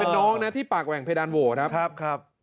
เป็นน้องที่ปากแหวงเพดานโว้ครับ